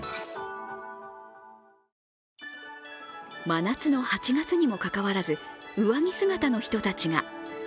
真夏の８月にもかかわらず上着姿の人たちが。